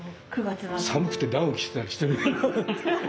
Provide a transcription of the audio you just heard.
寒くてダウン着てたりしてねなんて。